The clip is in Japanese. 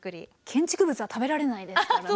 建築物は食べられないですからね。